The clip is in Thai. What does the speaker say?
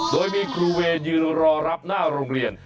โดยมีครูเวรยืนรอรับหน้าโรงเรียน